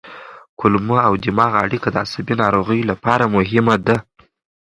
کولمو او دماغ اړیکه د عصبي ناروغیو لپاره مهمه ده.